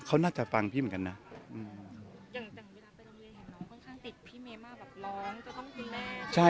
เขาน่าจะฟังพี่เหมือนกันนะ